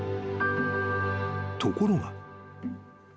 ［ところが］